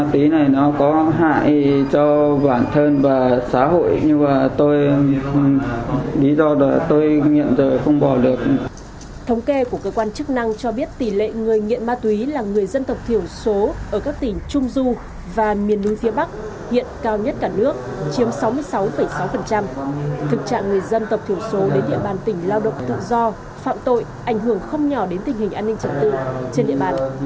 thống kê của cơ quan chức năng cho biết tỷ lệ người nghiện ma túy là người dân tộc thiểu số ở các tỉnh trung du và miền núi phía bắc hiện cao nhất cả nước chiếm sáu mươi sáu sáu thực trạng người dân tộc thiểu số đến địa bàn tỉnh lao động tự do phạm tội ảnh hưởng không nhỏ đến tình hình an ninh trận tự trên địa bàn